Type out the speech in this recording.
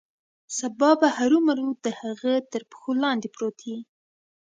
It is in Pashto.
سبا به هرومرو د هغه تر پښو لاندې پروت یې.